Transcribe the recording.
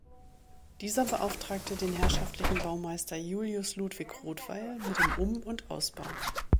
Dieser beauftragte den herrschaftlichen Baumeister Julius Ludwig Rothweil mit dem Um- und Ausbau.